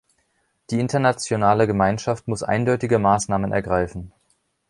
Die internationale Gemeinschaft muss eindeutige Maßnahmen ergreifen.